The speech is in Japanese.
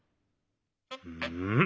うん？